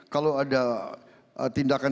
kalau ada tindakan tindakan